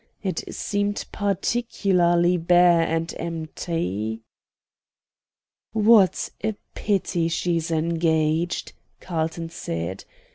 It seemed particularly bare and empty. "What a pity she's engaged!" Carlton said.